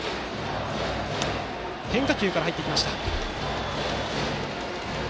変化球から入りました。